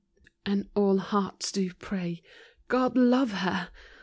And all hearts do pray, " God love her